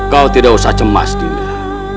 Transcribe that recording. kau tidak usah cemas tidak